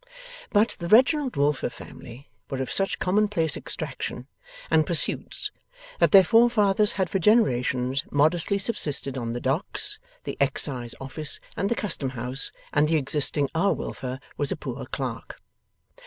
But, the Reginald Wilfer family were of such commonplace extraction and pursuits that their forefathers had for generations modestly subsisted on the Docks, the Excise Office, and the Custom House, and the existing R. Wilfer was a poor clerk.